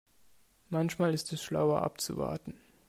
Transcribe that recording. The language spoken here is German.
Manchmal ist es schlauer abzuwarten.